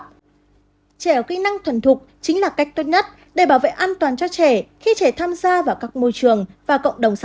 trẻ kỹ năng thuần thục chính là cách tốt nhất để bảo vệ an toàn cho trẻ khi trẻ tham gia vào các môi trường và cộng đồng xã